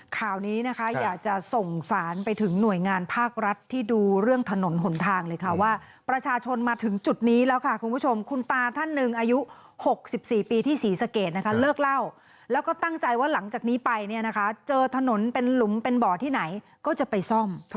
ข่าวนี้นะคะอยากจะส่งสารไปถึงหน่วยงานภาครัฐที่ดูเรื่องถนนหนทางเลยค่ะว่าประชาชนมาถึงจุดนี้แล้วค่ะคุณผู้ชมคุณตาท่านหนึ่งอายุ๖๔ปีที่ศรีสะเกดนะคะเลิกเล่าแล้วก็ตั้งใจว่าหลังจากนี้ไปเนี่ยนะคะเจอถนนเป็นหลุมเป็นบ่อที่ไหนก็จะไปซ่อม